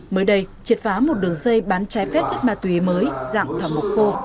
mới đây triệt phá một đường dây bán chai phép chất ma túy mới dạng thỏa mục khô